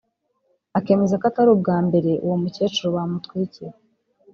akemeza ko atari ubwa mbere uwo mukecuru bamutwikira